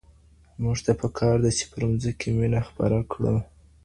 موږ ته په کار ده چي پر مځکي مینه خپره کړو.